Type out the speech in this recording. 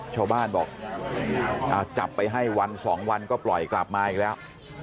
ชาวบ้านบอกเอาจับไปให้วันสองวันก็ปล่อยกลับมาอีกแล้ว